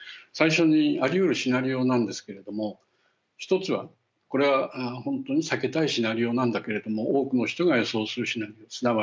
最初に、ありうるシナリオなんですけれども１つは、これは本当に避けたいシナリオなんだけれども多くの人が予想するシナリオです。